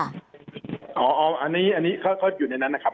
อันนี้ก็อยู่ในนั้นนะครับ